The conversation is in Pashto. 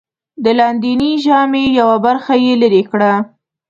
د لاندېنۍ ژامې یوه برخه یې لرې کړه.